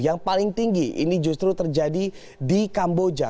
yang paling tinggi ini justru terjadi di kamboja